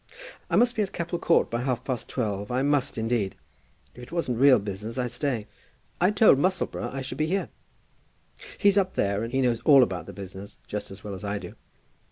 "I must be at Capel Court by half past twelve; I must, indeed. If it wasn't real business, I'd stay." "I told Musselboro I should be here." "He's up there, and he knows all about the business just as well as I do.